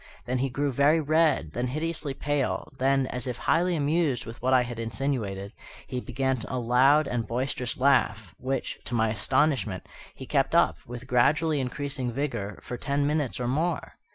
Then he grew very red, then hideously pale, then, as if highly amused with what I had insinuated, he began a loud and boisterous laugh, which, to my astonishment, he kept up, with gradually increasing vigour, for ten minutes or more.